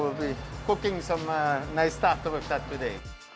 terima kasih kita akan memasak beberapa hal yang bagus untuk kita